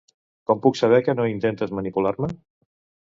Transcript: Com puc saber que no intentes manipular-me?